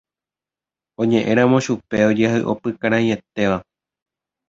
Oñeʼẽramo chupe ojeahyʼopykarãinteva.